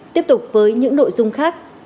tiếp tục với những nội dung khác